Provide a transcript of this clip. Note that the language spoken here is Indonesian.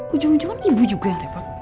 ujung ujungan ibu juga yang repot